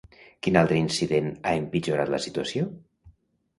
Quin altre incident ha empitjorat la situació?